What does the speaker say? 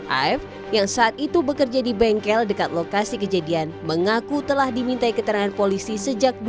af yang saat itu bekerja di bengkel dekat lokasi kejadian mengaku telah dimintai keterangan polisi sejak dua ribu